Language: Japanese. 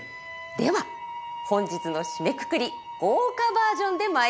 では本日の締めくくり豪華バージョンで参ります。